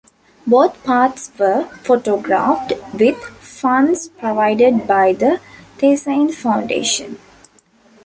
Both parts were photographed with funds provided by the Thyssen Foundation.